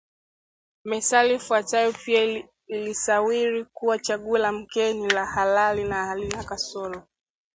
Methali ifuatayo pia ilisawiri kuwa chaguo la mkewe ni la halali na halina kasoro